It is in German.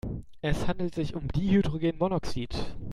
Es handelt sich um Dihydrogenmonoxid.